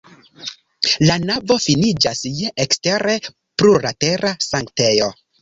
La navo finiĝas je ekstere plurlatera sanktejo.